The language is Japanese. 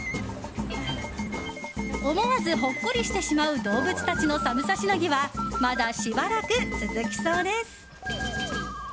思わずほっこりしてしまう動物たちの寒さしのぎはまだしばらく続きそうです。